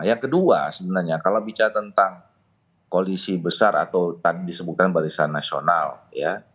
yang kedua sebenarnya kalau bicara tentang koalisi besar atau tadi disebutkan barisan nasional ya